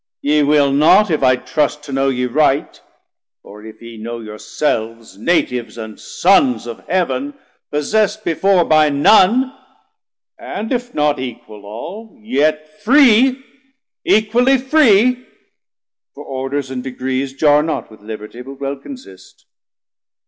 ye will not, if I trust To know ye right, or if ye know your selves Natives and Sons of Heav'n possest before By none, and if not equal all, yet free, Equally free; for Orders and Degrees Jarr not with liberty, but well consist.